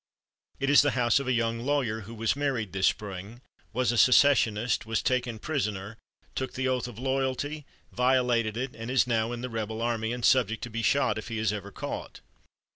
It is the house of a young lawyer, who was married this spring, was a secessionist, was taken prisoner, took the oath of loyalty, violated it, and is now in the rebel army, and subject to be shot if he is ever caught.